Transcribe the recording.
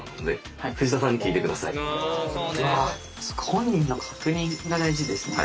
本人の確認が大事ですね